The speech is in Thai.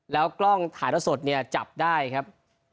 แล้วกล้องถ่ายละสดเนี่ยจับได้ครับ